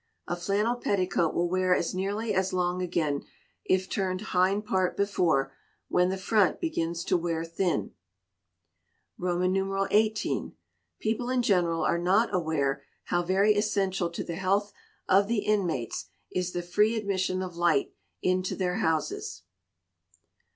A flannel petticoat will wear as nearly as long again, if turned hind part before, when the front begins to wear thin. xviii. People in general are not aware how very essential to the health of the inmates is the free admission of light into their houses.